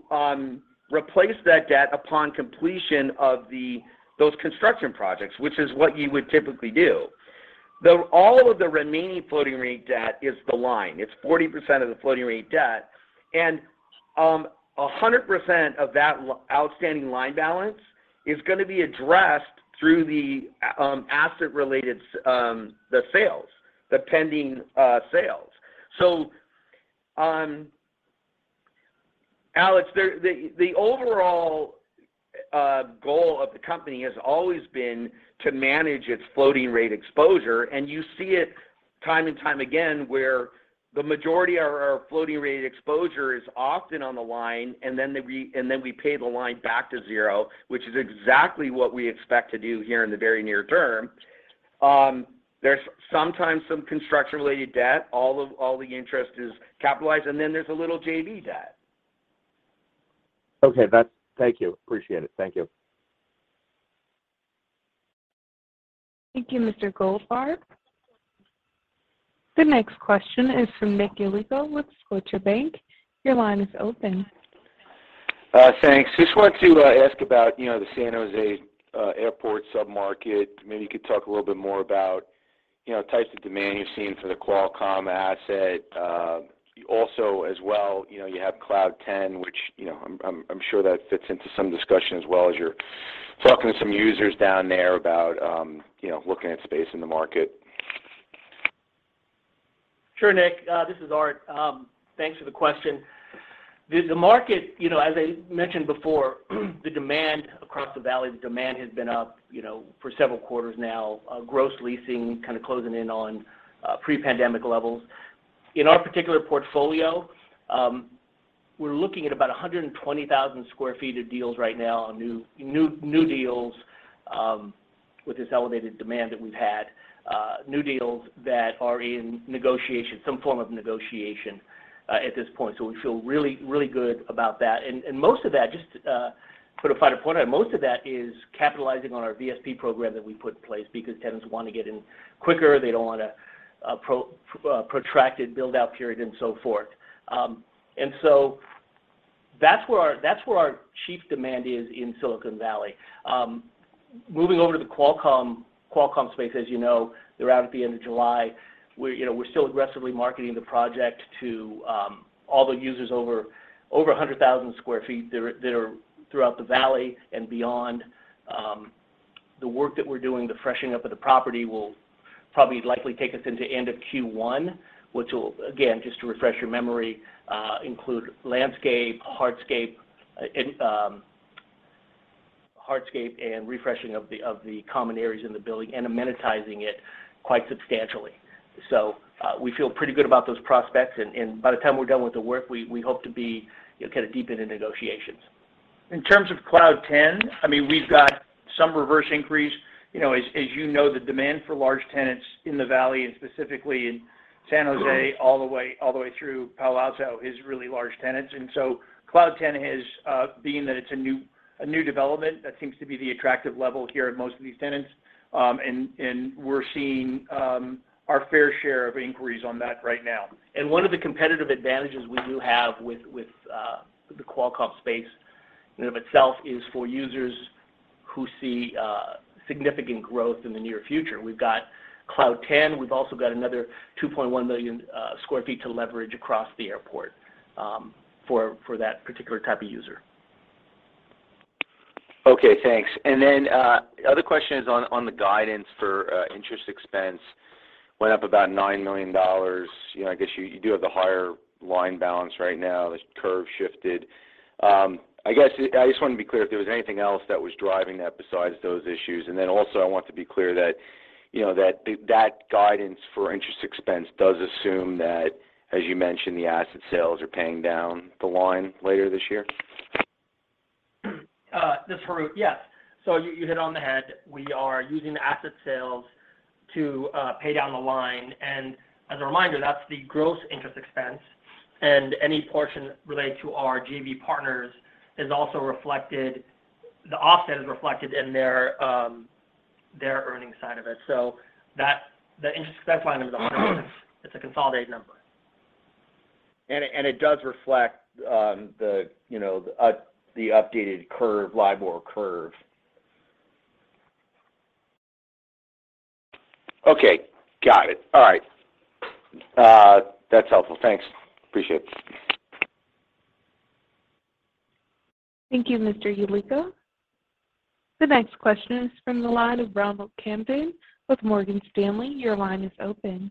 replace that debt upon completion of those construction projects, which is what you would typically do. All of the remaining floating-rate debt is the line. It's 40% of the floating rate debt. 100% of that outstanding line balance is gonna be addressed through the asset-related, the sales, the pending sales. Alex, the overall goal of the company has always been to manage its floating rate exposure, and you see it time and time again, where the majority of our floating rate exposure is often on the line, and then we pay the line back to zero, which is exactly what we expect to do here in the very near term. There's sometimes some construction-related debt. All the interest is capitalized, and then there's a little JV debt. Okay. Thank you. Appreciate it. Thank you. Thank you, Mr. Goldfarb. The next question is from Nick Yulico with Scotiabank. Your line is open. Thanks. Just wanted to ask about, you know, the San Jose airport sub-market. Maybe you could talk a little bit more about, you know, types of demand you're seeing for the Qualcomm asset. Also as well, you know, you have Cloud 10, which, you know, I'm sure that fits into some discussion as well as you're talking to some users down there about, you know, looking at space in the market. Sure, Nick. This is Art. Thanks for the question. The market, you know, as I mentioned before, the demand across the valley, the demand has been up, you know, for several quarters now, gross leasing kind of closing in on pre-pandemic levels. In our particular portfolio, we're looking at about 120,000 sq ft of deals right now on new deals with this elevated demand that we've had, new deals that are in negotiation, some form of negotiation at this point. We feel really good about that. Most of that just put a finer point on it, most of that is capitalizing on our VSP program that we put in place because tenants want to get in quicker. They don't want a protracted build-out period and so forth. That's where our chief demand is in Silicon Valley. Moving over to the Qualcomm space, as you know, they're out at the end of July. You know, we're still aggressively marketing the project to all the users over 100,000 sq ft that are throughout the valley and beyond. The work that we're doing, the freshening up of the property, will probably likely take us into end of Q1, which will again, just to refresh your memory, include landscape, hardscape, and refreshing of the common areas in the building and amenitizing it quite substantially. We feel pretty good about those prospects. By the time we're done with the work, we hope to be, you know, kind of deep into negotiations. In terms of Cloud 10, I mean, we've got some reverse inquiries. You know, as you know, the demand for large tenants in the valley and specifically in San Jose, all the way through Palo Alto is really large tenants. Cloud 10 has being that it's a new development, that seems to be the attractive level here at most of these tenants. And we're seeing our fair share of inquiries on that right now. One of the competitive advantages we do have with the Qualcomm space in and of itself is for users who see significant growth in the near future. We've got Cloud 10. We've also got another 2.1 million sq ft to leverage across the airport for that particular type of user. Okay, thanks. The other question is on the guidance for interest expense went up about $9 million. You know, I guess you do have the higher line balance right now. The curve shifted. I guess I just wanted to be clear if there was anything else that was driving that besides those issues. Also, I want to be clear that, you know, that guidance for interest expense does assume that, as you mentioned, the asset sales are paying down the line later this year. This is Harout. Yes. You hit it on the head. We are using the asset sales to pay down the line. As a reminder, that's the gross interest expense. Any portion related to our JV partners is also reflected. The offset is reflected in their earnings side of it. That, the interest expense line item is 100%, it's a consolidated number. It does reflect, you know, the updated curve, LIBOR curve. Okay. Got it. All right. That's helpful. Thanks. Appreciate it. Thank you, Mr. Yulico. The next question is from the line of Ronald Kamdem with Morgan Stanley. Your line is open.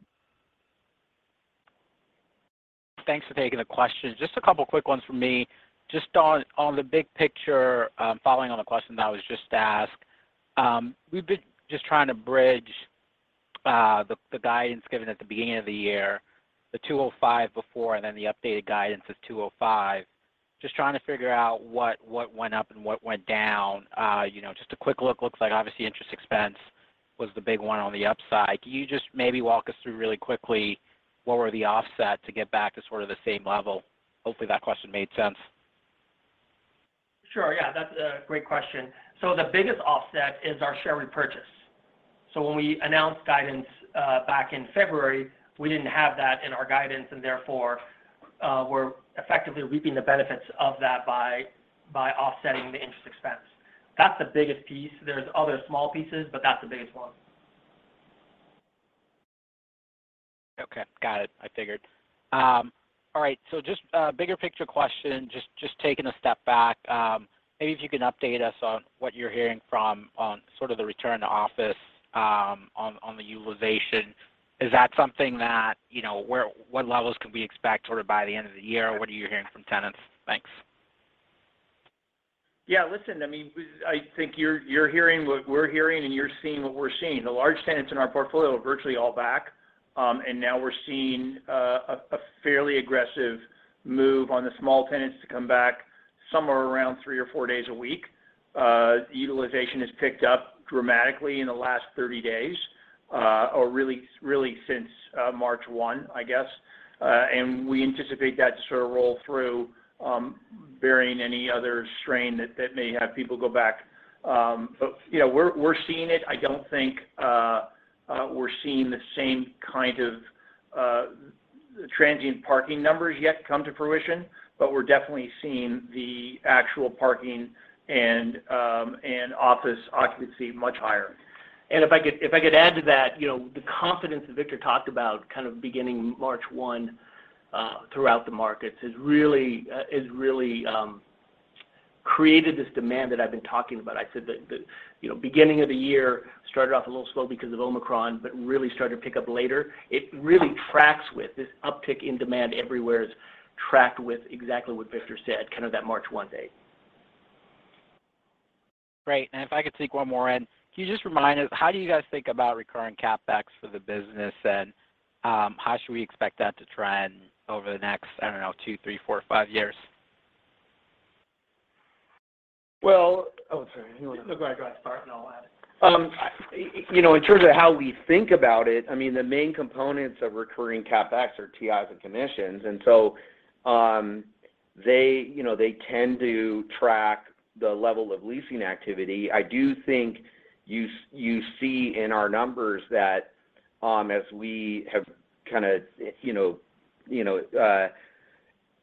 Thanks for taking the question. Just a couple of quick ones from me. Just on the big picture, following on the question that was just asked, we've been just trying to bridge the guidance given at the beginning of the year, the $205 before, and then the updated guidance of $205. Just trying to figure out what went up and what went down. You know, just a quick look. Looks like obviously interest expense was the big one on the upside. Can you just maybe walk us through, really quickly, what were the offsets to get back to sort of the same level? Hopefully, that question made sense. Sure. Yeah, that's a great question. The biggest offset is our share repurchase. When we announced guidance back in February, we didn't have that in our guidance, and therefore, we're effectively reaping the benefits of that by offsetting the interest expense. That's the biggest piece. There's other small pieces, but that's the biggest one. Okay. Got it. I figured. All right, just a bigger picture question, just taking a step back. Maybe if you can update us on what you're hearing from on sort of the return to office, on the utilization. Is that something that, you know, what levels can we expect, sort of by the end of the year? What are you hearing from tenants? Thanks. Yeah, listen, I mean, I think you're hearing what we're hearing, and you're seeing what we're seeing. The large tenants in our portfolio are virtually all back. Now we're seeing a fairly aggressive move on the small tenants to come back somewhere around three or four days a week. Utilization has picked up dramatically in the last 30 days. Really, since March 1, I guess. We anticipate that to sort of roll through, barring any other strain that may have people go back. You know, we're seeing it. I don't think we're seeing the same kind of transient parking numbers yet come to fruition, but we're definitely seeing the actual parking and office occupancy much higher. If I could add to that, you know, the confidence that Victor talked about kind of beginning March 1 throughout the markets, has really created this demand that I've been talking about. I said that the, you know, beginning of the year started off a little slow because of Omicron, but really started to pick up later. It really tracks with this uptick in demand everywhere. It is tracked with exactly what Victor said, kind of that March 1 date. Great. If I could sneak one more in. Can you just remind us, how do you guys think about recurring CapEx for the business, and, how should we expect that to trend over the next, I don't know, two, three, four, five years? Well, oh, sorry. No, go ahead. Go ahead and start, and I'll add. You know, in terms of how we think about it, I mean, the main components of recurring CapEx are TIs and commissions. They tend to track the level of leasing activity. I do think you see in our numbers that, as we have kind of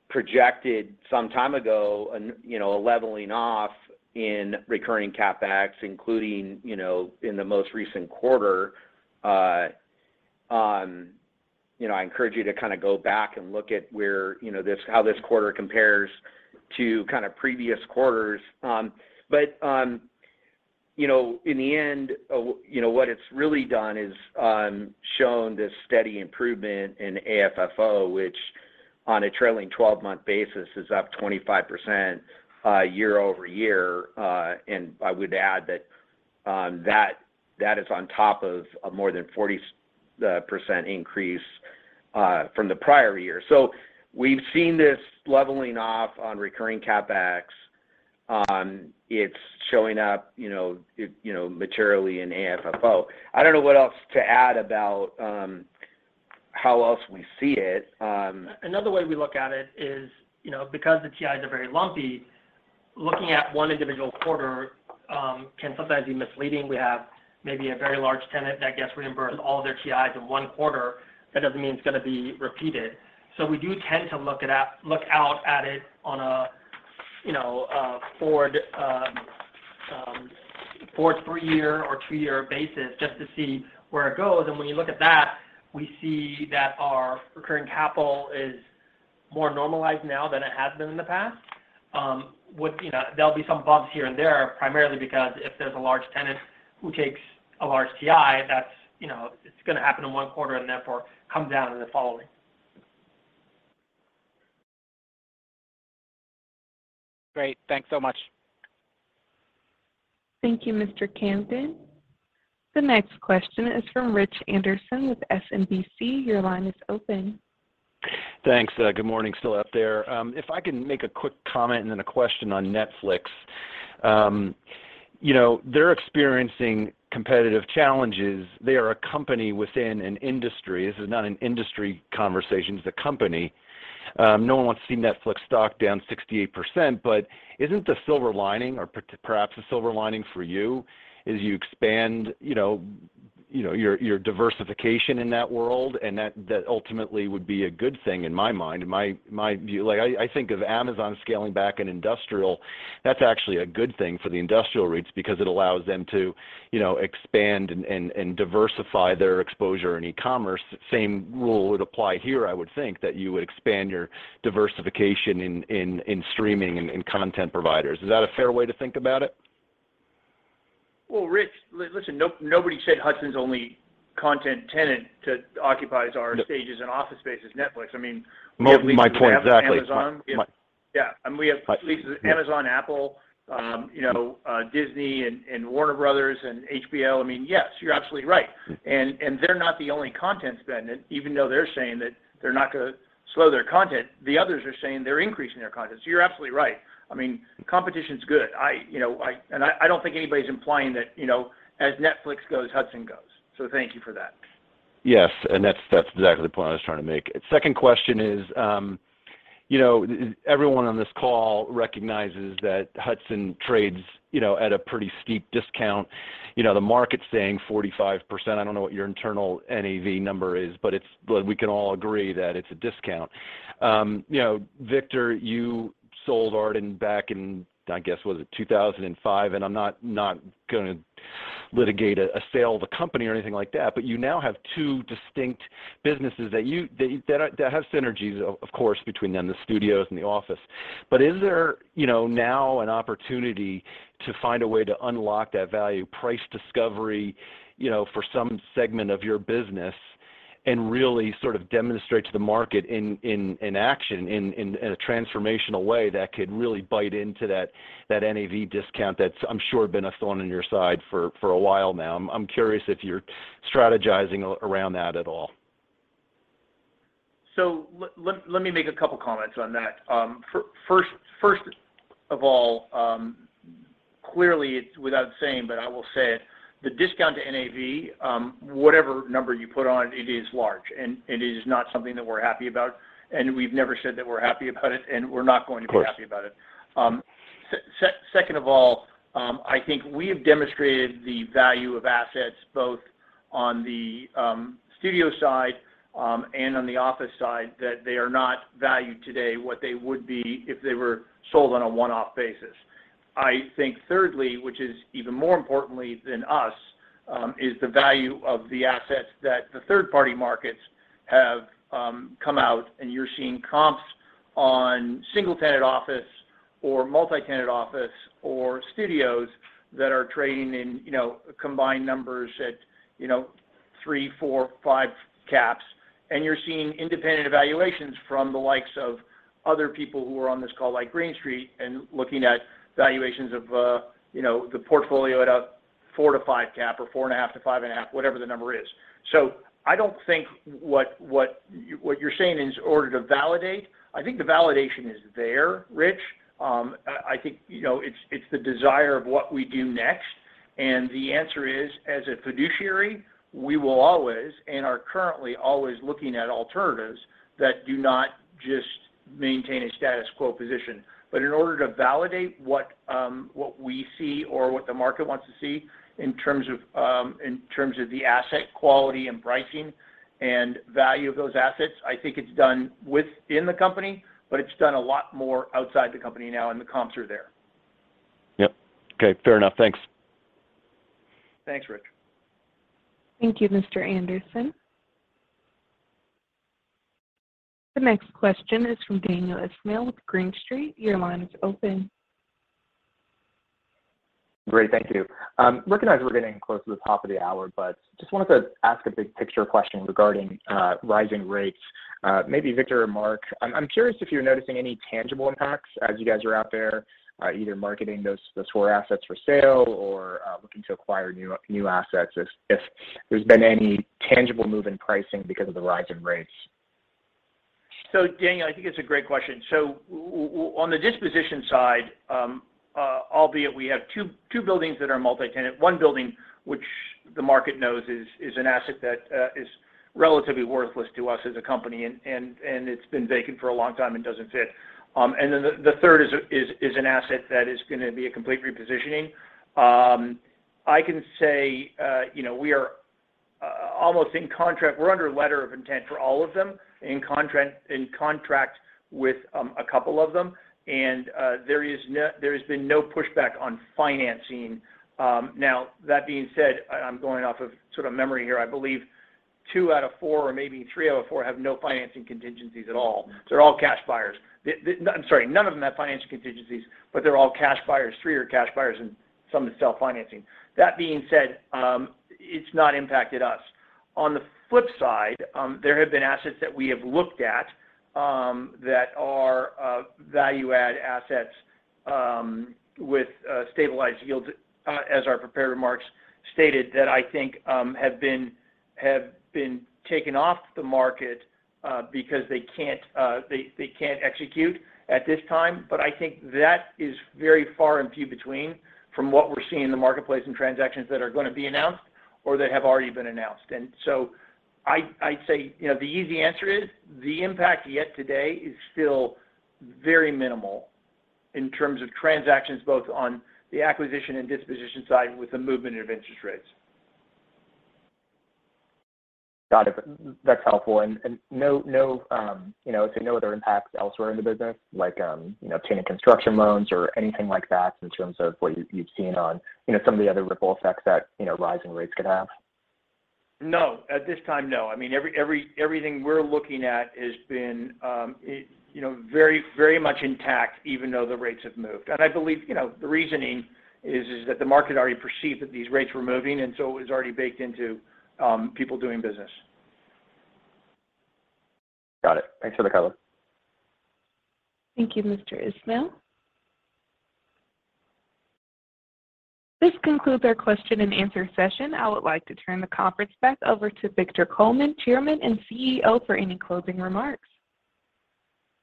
projected some time ago a leveling off in recurring CapEx, including in the most recent quarter, I encourage you to kind of go back and look at where this how this quarter compares to previous quarters. You know, in the end, what it's really done is shown this steady improvement in AFFO, which on a trailing 12-month basis is up 25%, year-over-year. I would add that that is on top of a more than 40% increase from the prior year. We've seen this leveling off on recurring CapEx. It's showing up, you know, materially in AFFO. I don't know what else to add about how else we see it. Another way we look at it is, you know, because the TIs are very lumpy, looking at one individual quarter can sometimes be misleading. We have maybe a very large tenant that gets reimbursed all their TIs in one quarter, that doesn't mean it's gonna be repeated. We do tend to look out at it on a, you know, a forward three-year or two-year basis just to see where it goes. When you look at that, we see that our recurring capital is more normalized now than it has been in the past. With you know, there'll be some bumps here and there, primarily because if there's a large tenant who takes a large TI, that's, you know, it's gonna happen in one quarter and therefore come down in the following. Great. Thanks so much. Thank you, Mr. Kamdem. The next question is from Rich Anderson with SMBC. Your line is open. Thanks. Good morning. Still out there. If I can make a quick comment and then a question on Netflix. You know, they're experiencing competitive challenges. They are a company within an industry. This is not an industry conversation, it's a company. No one wants to see Netflix stock down 68%, but isn't the silver lining, or perhaps a silver lining for you is you expand, you know, your diversification in that world, and that ultimately would be a good thing in my mind, in my view. Like, I think of Amazon scaling back in industrial, that's actually a good thing for the industrial REITs because it allows them to, you know, expand and diversify their exposure in e-commerce. Same rule would apply here, I would think, that you would expand your diversification in streaming and content providers. Is that a fair way to think about it? Well, Rich, listen, nobody said Hudson's only content tenant that occupies our stages and office space is Netflix. I mean. My point exactly. We have leases with Amazon. My... Yeah. I mean, we have leases with Amazon, Apple, you know, Disney, and Warner Bros., and HBO. I mean, yes, you're absolutely right. They're not the only content spenders, even though they're saying that they're not gonna slow their content, the others are saying they're increasing their content. You're absolutely right. I mean, competition's good. I don't think anybody's implying that, you know, as Netflix goes, Hudson goes. Thank you for that. Yes. That's exactly the point I was trying to make. Second question is, you know, everyone on this call recognizes that Hudson trades, you know, at a pretty steep discount. You know, the market's saying 45%. I don't know what your internal NAV number is, but it's, but we can all agree that it's a discount. You know, Victor, you sold Arden back in, I guess, was it 2005? I'm not gonna litigate a sale of the company or anything like that, but you now have two distinct businesses that have synergies, of course, between them, the studios and the office. is there, you know, now an opportunity to find a way to unlock that value, price discovery, you know, for some segment of your business and really sort of demonstrate to the market in action, in a transformational way that could really bite into that NAV discount that's, I'm sure, been a thorn in your side for a while now. I'm curious if you're strategizing around that at all. Let me make a couple of comments on that. First of all, clearly it's without saying, but I will say it, the discount to NAV, whatever number you put on it, is large, and it is not something that we're happy about, and we've never said that we're happy about it, and we're not going to be happy about it. Of course. Second of all, I think we have demonstrated the value of assets both on the studio side and on the office side, that they are not valued today what they would be if they were sold on a one-off basis. I think thirdly, which is even more importantly than us, is the value of the assets that the third party markets have come out and you're seeing comps on single-tenant office or multi-tenant office or studios that are trading in, you know, combined numbers at, you know, three, four, five caps. You're seeing independent evaluations from the likes of other people who are on this call, like Green Street, and looking at valuations of, you know, the portfolio at a four to five cap or four and a half to five and a half, whatever the number is. I don't think what you're saying is in order to validate. I think the validation is there, Rich. I think, you know, it's the desire of what we do next, and the answer is, as a fiduciary, we will always, and are currently always looking at alternatives that do not just maintain a status quo position. In order to validate what we see or what the market wants to see in terms of the asset quality and pricing and value of those assets, I think it's done within the company, but it's done a lot more outside the company now, and the comps are there. Yep. Okay. Fair enough. Thanks. Thanks, Rich. Thank you, Mr. Anderson. The next question is from Daniel Ismail with Green Street. Your line is open. Great. Thank you. I recognize we're getting close to the top of the hour, but just wanted to ask a big picture question regarding rising rates. Maybe Victor or Mark, I'm curious if you're noticing any tangible impacts as you guys are out there, either marketing those four assets for sale or looking to acquire new assets, if there's been any tangible move in pricing because of the rise in rates. Daniel, I think it's a great question. On the disposition side, albeit we have two buildings that are multi-tenant, one building, which the market knows is an asset that is relatively worthless to us as a company, and it's been vacant for a long time and doesn't fit. And then the third is an asset that is gonna be a complete repositioning. I can say, you know, we are almost in contract. We're under a letter of intent for all of them. In contract with a couple of them, and there is no, there has been no pushback on financing. Now that being said, I'm going off of sort of memory here. I believe two out of fpur or maybe three out of four have no financing contingencies at all. They're all cash buyers. I'm sorry, none of them have financing contingencies, but they're all cash buyers. Three are cash buyers and some is self-financing. That being said, it's not impacted us. On the flip side, there have been assets that we have looked at that are value add assets with stabilized yields, as our prepared remarks stated, that I think have been taken off the market because they can't execute at this time. I think that is very far and few between from what we're seeing in the marketplace and transactions that are gonna be announced or that have already been announced. I'd say, you know, the easy answer is the impact, yet today is still very minimal in terms of transactions, both on the acquisition and disposition side, with the movement of interest rates. Got it. That's helpful. No, you know, so no other impacts elsewhere in the business like, you know, obtaining construction loans or anything like that in terms of what you've seen on, you know, some of the other ripple effects that, you know, rising rates could have? No. At this time, no. I mean, everything we're looking at has been, you know, very, very much intact even though the rates have moved. I believe, you know, the reasoning is that the market already perceived that these rates were moving and so it was already baked into people doing business. Got it. Thanks for the color. Thank you, Mr. Ismail. This concludes our question and answer session. I would like to turn the conference back over to Victor Coleman, Chairman and CEO, for any closing remarks.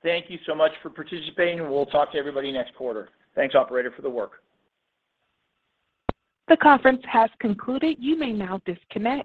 Thank you so much for participating, and we'll talk to everybody next quarter. Thanks, operator, for the work. The conference has concluded. You may now disconnect.